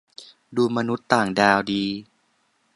ดูมนุษย์ต่างดาวดี